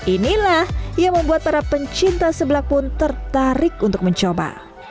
inilah yang membuat para pencinta seblak pun tertarik untuk mencoba